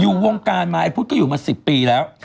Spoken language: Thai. อยู่วงการมาไอ้พุทธก็อยู่มา๑๐ปีแล้ว